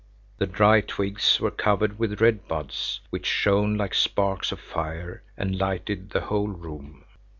The dry twigs were covered with red buds, which shone like sparks of fire and lighted the whole room.